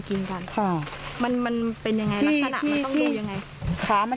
กินกันค่ะมันมันเป็นยังไงลักษณะมันต้องดูยังไงขามัน